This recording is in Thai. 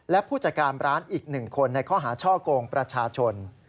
และผู้จัดการร้านอีก๑คนในข้อหาช่อกงประชาชน